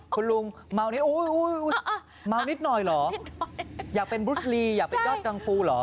คุณลุงเมานี้เมานิดหน่อยเหรออยากเป็นบรุษลีอยากเป็นยอดกังฟูเหรอ